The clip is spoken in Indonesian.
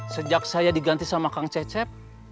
sejak saya diganti sama kang cecep